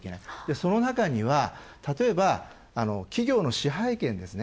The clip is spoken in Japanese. その中には例えば、企業の支配権ですね。